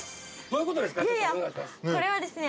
◆どういうことですか。